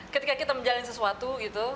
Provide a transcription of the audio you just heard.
ketika kita menjalin sesuatu gitu